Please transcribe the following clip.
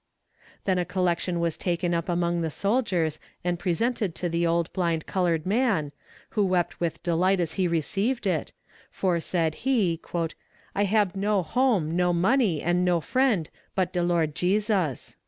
Then a collection was taken up among the soldiers and presented to the old blind colored man, who wept with delight as he received it, for said he "I hab no home, no money, an' no friend, but de Lord Jesus."